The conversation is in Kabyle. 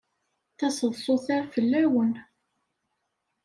Taseḍsut-a fell-awen.